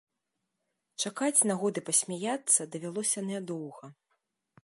Чакаць нагоды пасмяяцца давялося нядоўга.